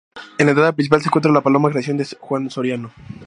En la entrada principal se encuentra "La Paloma", creación de Juan Soriano.